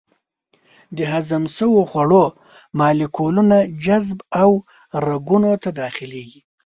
د هضم شوو خوړو مالیکولونه جذب او رګونو ته داخلېږي.